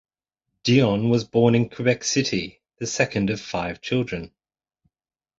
Dion was born in Quebec City, the second of five children.